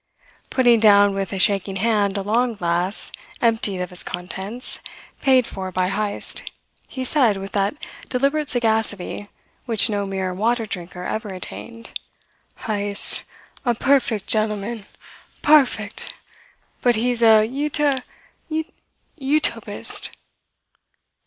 Putting down with a shaking hand a long glass emptied of its contents paid for by Heyst he said, with that deliberate sagacity which no mere water drinker ever attained: "Heyst's a puffect g'n'lman. Puffect! But he's a ut uto utopist."